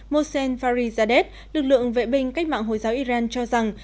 mohsen farizadeh lực lượng vệ binh cách mạng hồi giáo iran cho rằng